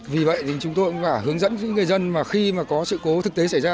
vì vậy chúng tôi cũng hướng dẫn những người dân khi có sự cố thực tế xảy ra